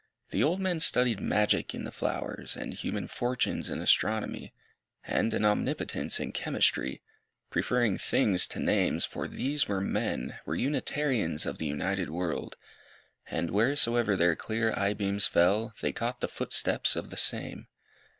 The old men studied magic in the flowers, And human fortunes in astronomy, And an omnipotence in chemistry, Preferring things to names, for these were men, Were unitarians of the united world, And, wheresoever their clear eye beams fell, They caught the footsteps of the SAME.